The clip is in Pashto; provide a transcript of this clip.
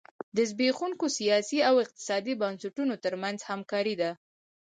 د زبېښونکو سیاسي او اقتصادي بنسټونو ترمنځ همکاري ده.